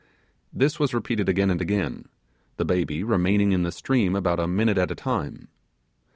This was repeated again and again, the baby remaining in the stream about a minute at a time.